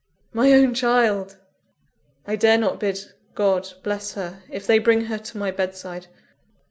My own child! I dare not bid God bless her, if they bring her to my bedside!